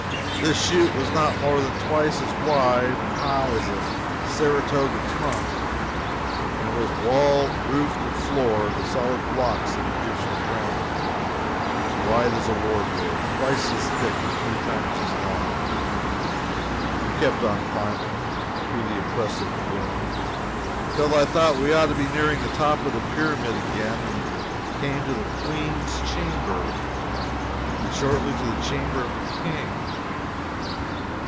This chute was not more than twice as wide and high as a Saratoga trunk, and was walled, roofed and floored with solid blocks of Egyptian granite as wide as a wardrobe, twice as thick and three times as long. We kept on climbing, through the oppressive gloom, till I thought we ought to be nearing the top of the pyramid again, and then came to the "Queen's Chamber," and shortly to the Chamber of the King.